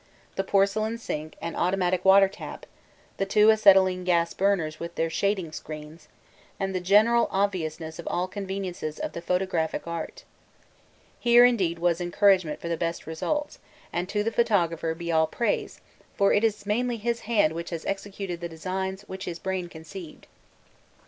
the porcelain sink and automatic water tap, the two acetylene gas burners with their shading screens, and the general obviousness of all conveniences of the photographic art. Here, indeed, was encouragement for the best results, and to the photographer be all praise, for it is mainly his hand which has executed the designs which his brain conceived.